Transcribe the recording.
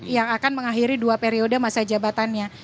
yang akan mengakhiri dua periode masa jabatannya